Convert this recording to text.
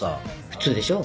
普通でしょ。